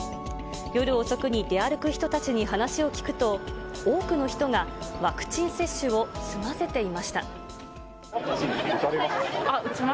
夜遅くに出歩く人たちに話を聞くと、多くの人が、ワクチン接種を済ませていました。